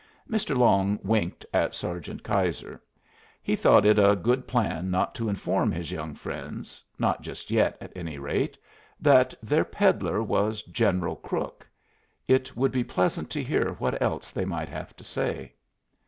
Mr. Long winked at Sergeant Keyser; he thought it a good plan not to inform his young friends, not just yet at any rate, that their peddler was General Crook. It would be pleasant to hear what else they might have to say.